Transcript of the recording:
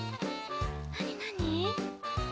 なになに？